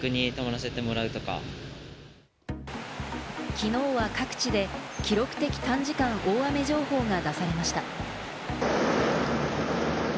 きのうは各地で記録的短時間大雨情報が出されました。